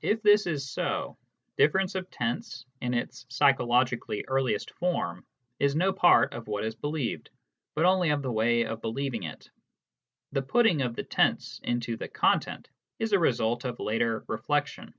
If this is so, difference of tense, in its psychologically earliest form, is no part of what is believed, but only of the way of believing it ; the putting of the tense into the content is a result of later reflection.